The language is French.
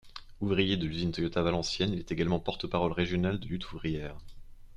Ouvrier de l'usine Toyota Valenciennes, il est également porte parole régional de Lutte ouvrière.